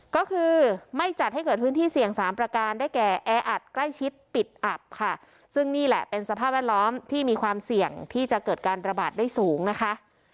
ก็คือไม่จัดให้เกิดพื้นที่เสี่ยงสามประการได้แก่แออัดใกล้ชิดปิดอับค่ะซึ่งนี่แหละเป็นสภาพแวดล้อมที่มีความเสี่ยงที่จะเกิดการระบาดได้สูงนะคะ